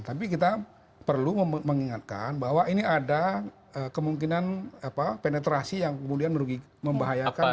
tapi kita perlu mengingatkan bahwa ini ada kemungkinan penetrasi yang kemudian membahayakan